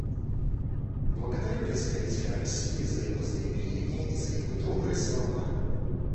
Благодарю представителя России за его заявление и за его добрые слова.